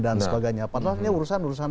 dan sebagainya padahal ini urusan urusan